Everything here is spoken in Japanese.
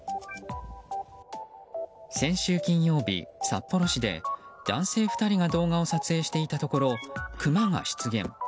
先週金曜日、札幌市で男性２人が動画を撮影していたところクマが出現。